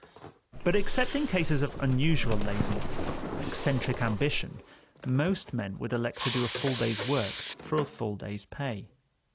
But except in cases of unusual laziness or eccentric ambition, most men would elect to do a full day's work for a full day's pay.